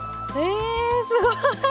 えすごい！